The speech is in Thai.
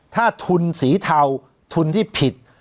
ถ้าทุนสีเทาทุนที่ผิด